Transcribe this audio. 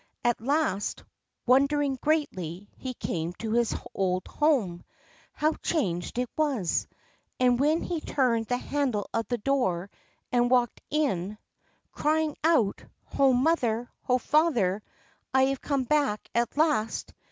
At last, wondering greatly, he came to his old home. How changed it was ! And, when he turned the handle of the door and walked in, crying out, ' Ho, mother ! ho, father I I have come back at last